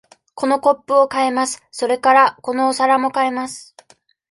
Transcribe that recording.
このコップを買います。それから、このお皿も買います。